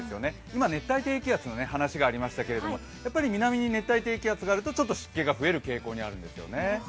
今、熱帯低気圧の話がありましたけれども、南に熱帯低気圧があるとちょっと湿気が増える傾向にあるんですよね。